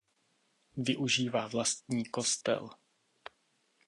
Využívá vlastní kostel.